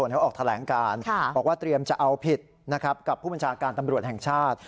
เขาออกแถลงการบอกว่าเตรียมจะเอาผิดนะครับกับผู้บัญชาการตำรวจแห่งชาติ